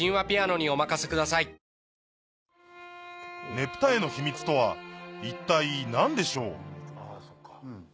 ねぷた絵の秘密とは一体何でしょう？